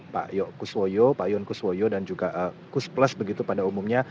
pak yon kuswoyo dan juga kus plus pada umumnya